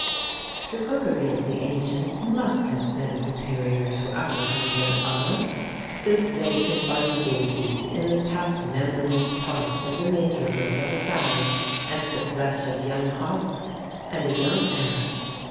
The cookery of the ancients must have been superior to our humbler art, since they could find dainties in the tough membranous parts of the matrices of a sow, and the flesh of young hawks, and a young ass.